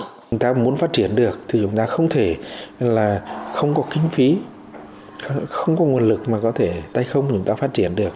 chúng ta muốn phát triển được thì chúng ta không thể là không có kinh phí không có nguồn lực mà có thể tay không chúng ta phát triển được